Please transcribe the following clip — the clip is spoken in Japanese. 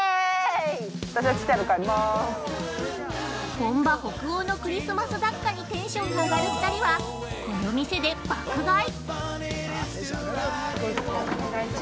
◆本場北欧のクリスマス雑貨にテンションが上がる２人はこの店で爆買い！